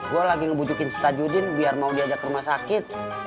gue lagi ngebujukin stajudin biar mau diajak ke rumah sakit